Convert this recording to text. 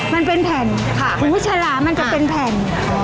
มันเป็นแผ่นค่ะหูฉลามันจะเป็นแผ่น